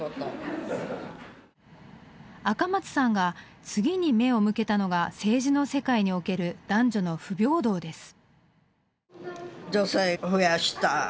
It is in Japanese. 赤松さんが次に目を向けたのが政治の世界における男女の不平等です。